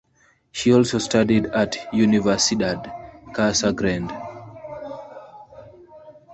She also studied at the Universidad Casa Grande.